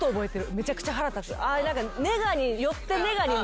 めちゃくちゃ腹立つ。